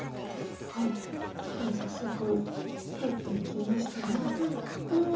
黒早速入っていきましたがこれは。